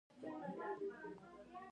د کندهار په پنجوايي کې د مالګې نښې شته.